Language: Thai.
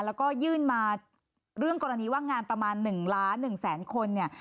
แล้วก็ยื่นมาเรื่องกรณีว่างานประมาณ๑ล้าน๑แสนคนเนี่ย